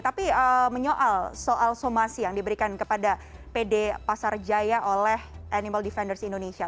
tapi menyoal soal somasi yang diberikan kepada pd pasar jaya oleh animal defenders indonesia